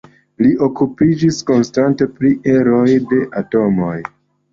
Li okupiĝis konstante pri eroj de atomoj.